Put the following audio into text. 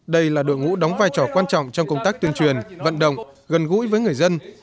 đây là đội ngũ đóng vai trò quan trọng trong công tác tuyên truyền vận động gần gũi với người dân